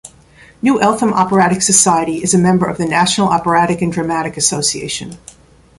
New Eltham Operatic Society is a member of the National Operatic and Dramatic Association.